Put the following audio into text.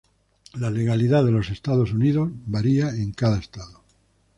La legalidad en los Estados Unidos varía en cada estado.